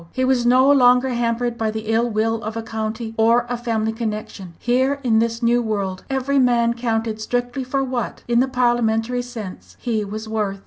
He was no longer hampered by the ill will of a county or a family connection. Here in this new world, every man counted strictly for what, in the parliamentary sense, he was worth.